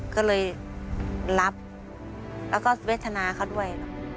ก็เลยรับแล้วก็เวทนาเขาด้วย